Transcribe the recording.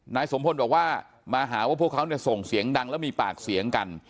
นายสมพลบอกว่ามาหาว่าพวกเขาเนี่ยส่งเสียงดังแล้วมีปากเสียงกัน